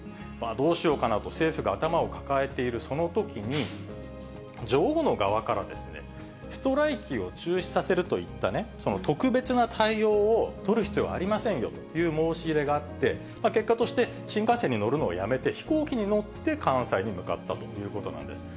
どうしようかなと政府が頭を抱えている、そのときに、女王の側から、ストライキを中止させるといった特別な対応を取る必要はありませんよという申し入れがあって、結果として新幹線に乗るのをやめて、飛行機に乗って関西に向かったということなんです。